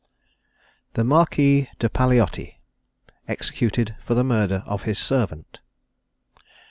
THE MARQUIS DE PALEOTTI, EXECUTED FOR THE MURDER OF HIS SERVANT.